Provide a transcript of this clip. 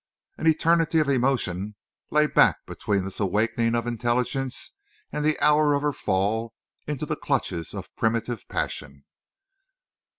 An eternity of emotion lay back between this awakening of intelligence and the hour of her fall into the clutches of primitive passion.